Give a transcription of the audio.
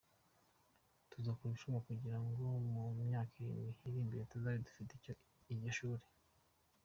Tuzakora ibishoboka kugira ngo mu myaka irindwi iri imbere tuzabe dufite iryo shuri.”